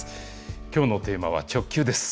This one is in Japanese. きょうのテーマは直球です。